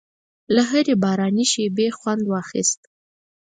له هرې باراني شېبې خوند واخیست.